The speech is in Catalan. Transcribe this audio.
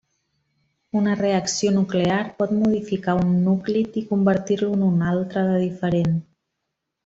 Una reacció nuclear pot modificar un núclid i convertir-lo en un altre de diferent.